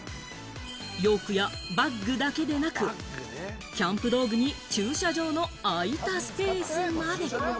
洋服やバッグだけでなく、キャンプ道具に駐車場の空いたスペースまで。